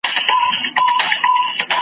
دا طلاوي تر کلونو نه ختمیږي.